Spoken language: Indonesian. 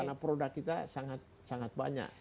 jadi harga kita sangat sangat banyak